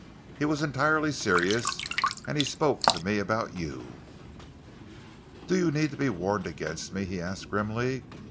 He was entirely serious, and he spoke to me about you." "Do you need to be warned against me?" he asked grimly.